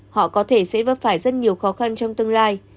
họ có thể sẽ vấp phải rất nhiều khó khăn trong tương lai